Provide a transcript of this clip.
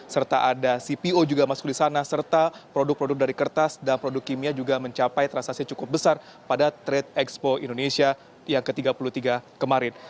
serta ada cpo juga masuk di sana serta produk produk dari kertas dan produk kimia juga mencapai transaksi cukup besar pada trade expo indonesia yang ke tiga puluh tiga kemarin